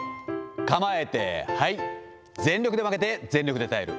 構えて、はい、全力で曲げて、全力で耐える。